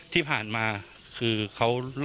ที่ผ่านมาคือเขารอดทุกครั้ง